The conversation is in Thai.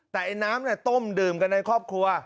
แต่ไอ้น้ำต้มดื่มกันในครอบครัว